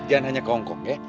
jangan hanya ke hongkong ya